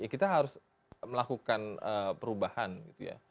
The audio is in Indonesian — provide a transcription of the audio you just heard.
kita harus melakukan perubahan gitu ya